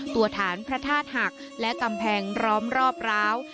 ตัวฐานพระธาตุหักและกำแพงร้อมรอบร้าว